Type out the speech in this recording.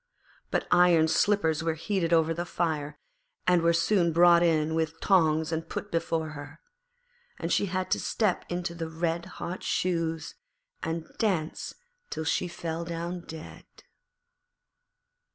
But iron slippers were heated over the fire, and were soon brought in with tongs and put before her. And she had to step into the red hot shoes and dance till she fell down dead.